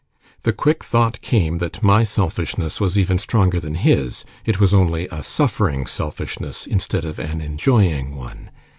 The quick thought came, that my selfishness was even stronger than his it was only a suffering selfishness instead of an enjoying one.